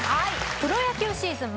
プロ野球シーズン